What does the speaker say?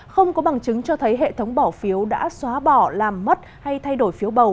không có bằng chứng cho thấy hệ thống bỏ phiếu đã xóa bỏ làm mất hay thay đổi phiếu bầu